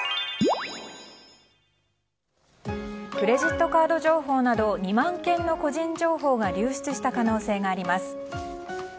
クレジットカード情報など２万件の個人情報が流出した可能性があります。